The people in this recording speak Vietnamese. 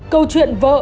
câu chuyện vợ